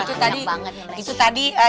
itu tadi itu tadi